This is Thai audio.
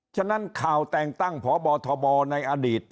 ฉะนั้นข่าวแต่งตั้งพบทบในอดีต